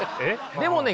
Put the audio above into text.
でもね